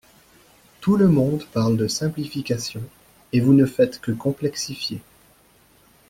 Tout le monde parle de simplification, et vous ne faites que complexifier.